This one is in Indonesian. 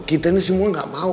kita ini semua nggak mau